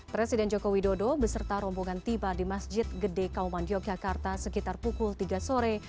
presiden joko widodo beserta rombongan tiba di masjid gede kauman yogyakarta sekitar pukul tiga sore